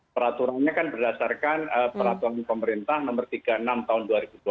peraturannya kan berdasarkan peraturan pemerintah nomor tiga puluh enam tahun dua ribu dua puluh